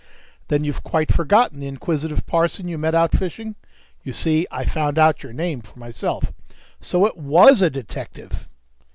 "Then you've quite forgotten the inquisitive parson you met out fishing? You see I found out your name for myself!" "So it was a detective!"